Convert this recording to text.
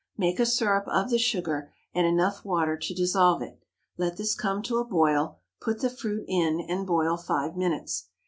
Make a syrup of the sugar and enough water to dissolve it. Let this come to a boil; put the fruit in and boil five minutes.